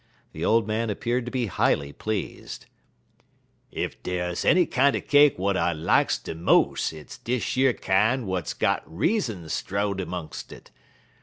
The old man appeared to be highly pleased. "Ef ders enny kinder cake w'at I likes de mos', hit's dish yer kine w'at's got reezins strowed 'mongs' it.